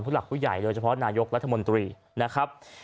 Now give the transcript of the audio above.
หลักผู้ใหญ่โดยเฉพาะนายกรัฐมนตรีนะครับ